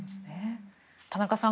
田中さん